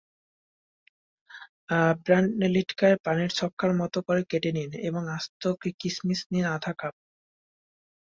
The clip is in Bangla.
প্রণালিঢাকাই পনির ছক্কার মতো করে কেটে নিন এবং আস্ত কিশমিশ নিন আধা কাপ।